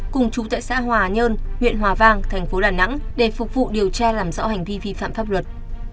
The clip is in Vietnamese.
cùng trú tại xã hòa nhơn huyện hòa vàng tp đà nẵng để phục vụ điều tra làm rõ hành vi vi phạm pháp luật